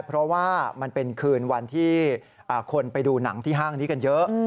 เพราะว่ามันเป็นคืนวันที่คนไปดูหนังที่ห้างนี้กันเยอะ